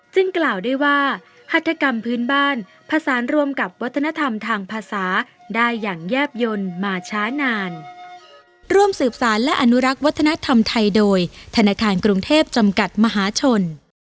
จึงกล่าวได้ว่าฮัฒนกรรมพื้นบ้านผสานรวมกับวัฒนธรรมทางภาษาได้อย่างแยบยนต์มาช้านาน